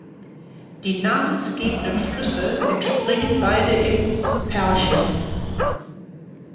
Die namensgebenden Flüsse entspringen beide im Perche.